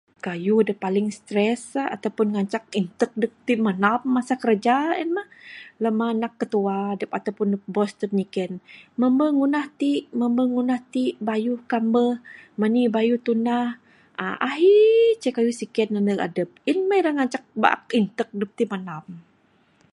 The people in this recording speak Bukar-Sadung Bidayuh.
Keyuh de paling stress uhh atau de ngencak entek dep tik mendam masa kerja en mah, lema nak ketua dep ataupun mendeg boss dep nyiken mbembeh ngundah tik, mbembeh ngundah tik, bayuh kah mbeh, menih bayuh tundah, uhh ehi...ce keyuh siken deg edep, in meh irak ngencak baak entek dep tik mendam.